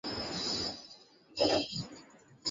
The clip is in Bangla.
আবার আগেই চলে আসছি?